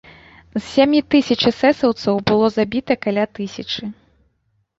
З сямі тысяч эсэсаўцаў было забіта каля тысячы.